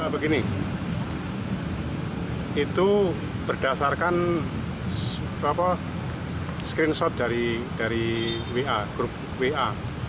begini itu berdasarkan screenshot dari wa grup wa